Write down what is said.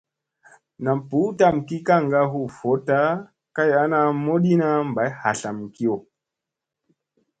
Nam ɓuu tamgii kaŋga huu vooɗta kay ana modiina bay hatlamkiyo.